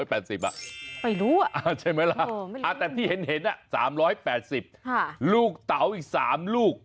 ไม่รู้ใช่ไหมล่ะแต่ที่เห็น๓๘๐ลูกเต๋าอีก๓ลูก